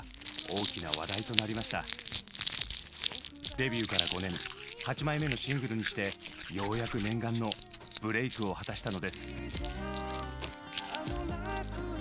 デビューから５年８枚目のシングルにしてようやく念願のブレイクを果たしたのです。